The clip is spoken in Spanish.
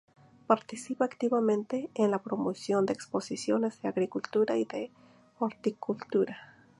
Participa activamente en la promoción de Exposiciones de Agricultura y de Horticultura.